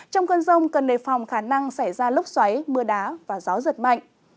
trong cơn rông cần nề phòng khả năng xảy ra lốc xoáy mưa đá và gió giật mạnh